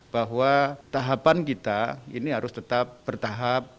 bahwa tahapan kita ini harus tetap bertahap